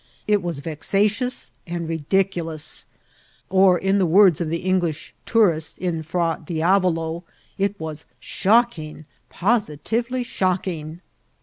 It was vexatious and ridiculous ; or, in the words of the English tourist in Fra Diavolo, it was ^^ shocking ! positively shocking